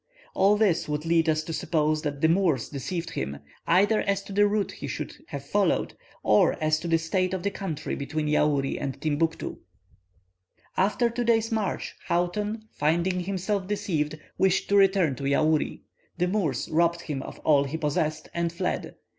All this would lead us to suppose that the Moors deceived him, either as to the route he should have followed, or as to the state of the country between Yaouri and Timbuctoo. "After two days' march, Houghton, finding himself deceived, wished to return to Yaouri. The Moors robbed him of all he possessed, and fled.